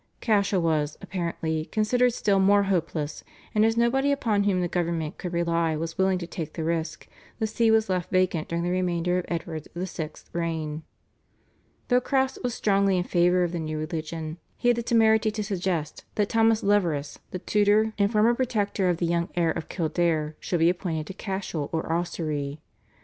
Cashel was, apparently, considered still more hopeless, and as nobody upon whom the government could rely was willing to take the risk, the See was left vacant during the remainder of Edward VI.'s reign. Though Crofts was strongly in favour of the new religion, he had the temerity to suggest that Thomas Leverous, the tutor and former protector of the young heir of Kildare, should be appointed to Cashel or Ossory.